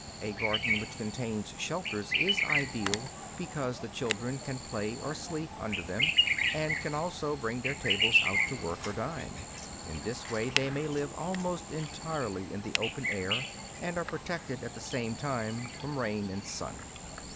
A garden which contains shelters is ideal, because the children can play or sleep under them, and can also bring their tables out to work or dine. In this way they may live almost entirely in the open air, and are protected at the same time from rain and sun.